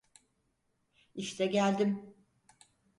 İşte geldim.